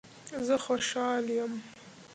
زه خوشحال یم